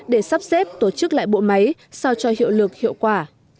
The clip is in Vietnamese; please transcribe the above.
để sắp xếp tổ chức lại bộ máy sao cho hiệu lực hiệu quả